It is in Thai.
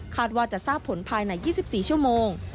ว่าจะทราบผลภายใน๒๔ชั่วโมง